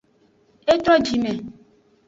E tro jime.